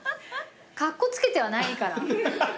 カッコつけてはないから。